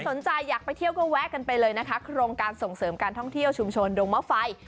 สนใจอยากไปเที่ยวก็แวะกันไปเลยนะคะโครงการส่งเสริมการท่องเที่ยวชุมชนดงมะไฟ